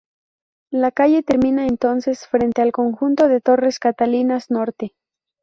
La calle termina entonces, frente al conjunto de torres Catalinas Norte.